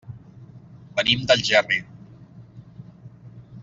Venim d'Algerri.